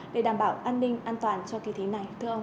để đảm bảo an ninh an toàn cho kỳ thi này